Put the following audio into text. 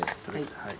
はい。